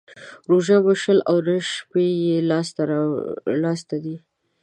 روژه مو شل او نه شپې يې لا سته دى.